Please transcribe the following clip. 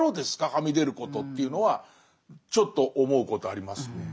はみ出ることというのはちょっと思うことありますね。